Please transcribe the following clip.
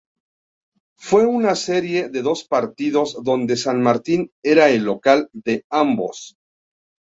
Fue una serie de dos partidos donde San Martín era el local de ambos.